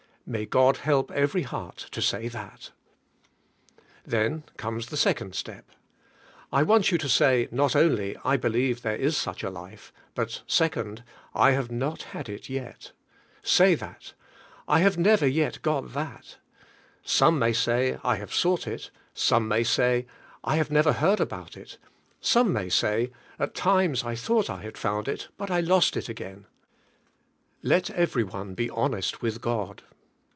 May God help every heart to say that. 52 ENTRANCE INTO RES 7 Then comes the second step. I want you to say not onl}^, ''I believe there is such a life," but, second, "I have not had it yet." Say that. "I have never yet got that." Some may say, "I have sought it;" some may say, "I have never heard about it;" some may say, "At times I thought I had found it, but I lost it again." Let every one be honest with God.